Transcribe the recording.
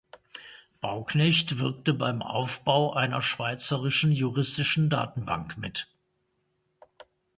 Bauknecht wirkte beim Aufbau einer schweizerischen juristischen Datenbank mit.